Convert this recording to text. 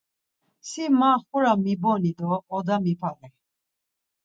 Si ma xura miboni do oda mipaği.